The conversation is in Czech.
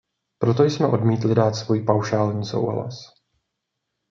Proto jsme odmítli dát svůj paušální souhlas.